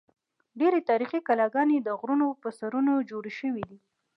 ډېری تاریخي کلاګانې د غرونو پر سرونو جوړې شوې دي.